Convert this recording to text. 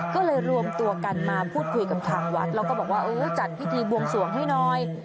ก็เลยรวมตัวกันมาพูดคุยกับทางวัดแล้วก็บอกว่าเออจัดพิธีบวงสวงให้หน่อย